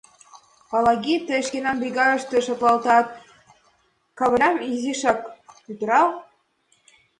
Палаги, тый шкенан бригадыште шотлалтат, Кавырлям изишак пӱтырал.